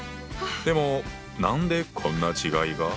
でも何でこんな違いが？